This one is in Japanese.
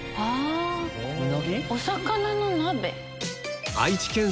お魚の鍋。